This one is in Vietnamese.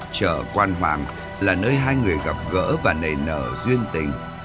chợ quan hoàng là nơi hai người gặp gỡ và nề nở duyên tình